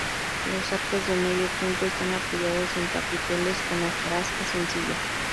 Los arcos de medio punto están apoyados en capiteles con hojarasca sencilla.